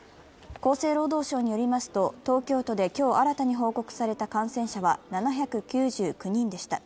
厚生労働省によりますと、東京都で今日新たに報告された感染者は７９９人でした。